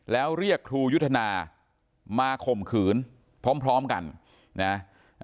แล้วเรียกครูยุทธนามาข่มขืนพร้อมกันนะ